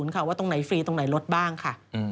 ค่ะว่าตรงไหนฟรีตรงไหนลดบ้างค่ะ